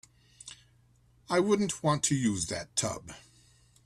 I wouldn't want to use that tub.